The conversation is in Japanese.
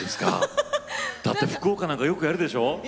だって福岡なんてよくやるでしょ？